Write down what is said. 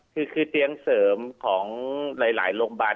คือเตียงเสริมของหลายโรงพยาบาล